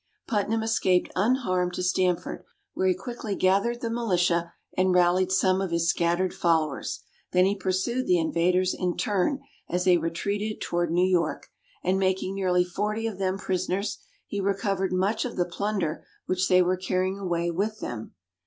Putnam escaped unharmed to Stamford, where he quickly gathered the militia, and rallied some of his scattered followers. Then he pursued the invaders in turn as they retreated toward New York, and making nearly forty of them prisoners, he recovered much of the plunder which they were carrying away with them.